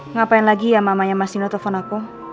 ngapain lagi ya mamanya masih nilai telepon aku